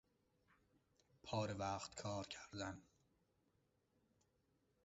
پاره وقت کارکردن